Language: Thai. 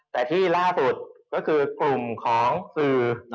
แต่ที่ล่าสุดก็คือกลุ่มของสื่อ